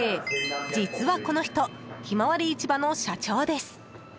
実は、この人ひまわり市場の社長です。